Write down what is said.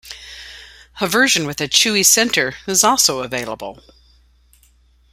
A version with a chewy centre is also available.